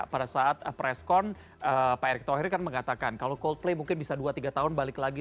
pada saat press con pak erick thohir kan mengatakan kalau coldplay mungkin bisa dua tiga tahun balik lagi